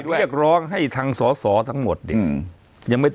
เรียกร้องให้ทางสอสอทั้งหมดเนี่ย